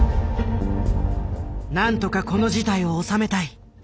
何とかこの事態を収めたい。